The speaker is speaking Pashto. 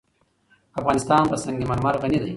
افغانستان په سنگ مرمر غني دی.